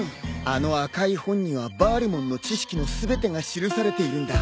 あの赤い本にはバアルモンの知識の全てが記されているんだ。